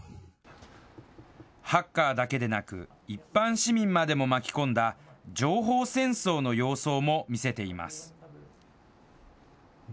ハッカーだけでなく、一般市民までも巻き込んだ情報戦争の様相も見せています。